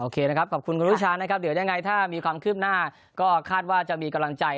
นะครับขอบคุณคุณวิชานะครับเดี๋ยวยังไงถ้ามีความคืบหน้าก็คาดว่าจะมีกำลังใจ